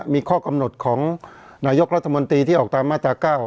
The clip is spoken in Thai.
มีข้อกำหนดของนายกรัฐมนตรีที่ออกตามมาตรา๙